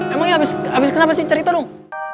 emangnya habis kenapa sih cerita dong